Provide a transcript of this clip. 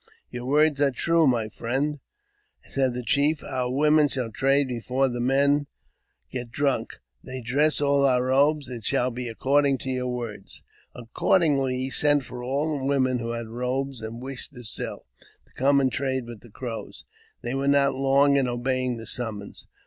"Your words are true, my friend," said the chief; " oi women shall trade before the men get drunk ; they dress our robes : it shall be according to your words." Accordingly, he sent for all the women who had robes an< wished to sell, to come and trade with the Crow. They were not long in obeying the summons.